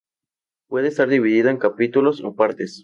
Puede estar dividido en capítulos o partes.